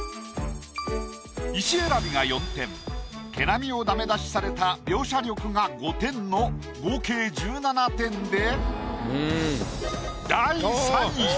石選びが４点毛並みをダメ出しされた描写力が５点の合計１７点で。